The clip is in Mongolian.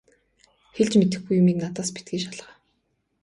Хэлж мэдэхгүй юмыг надаас битгий шалгаа.